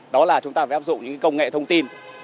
đó là chúng ta phải áp dụng những công nghệ thông tin